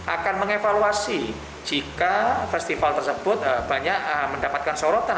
akan mengevaluasi jika festival tersebut banyak mendapatkan sorotan